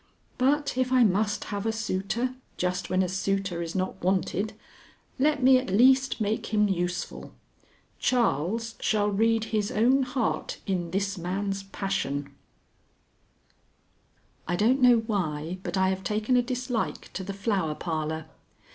But if I must have a suitor, just when a suitor is not wanted, let me at least make him useful. Charles shall read his own heart in this man's passion. I don't know why, but I have taken a dislike to the Flower Parlor.